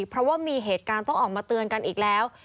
เพราะว่ามีเหตุการณ์ต้องออกมาเตือนกันอีกแล้ว